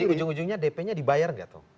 jadi ujung ujungnya dp nya dibayar gak tuh